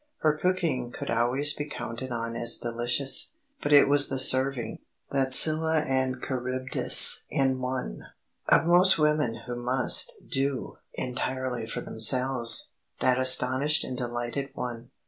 Her cooking could always be counted on as delicious; but it was the serving, that Scylla and Charybdis in one, of most women who must "do" entirely for themselves, that astonished and delighted one.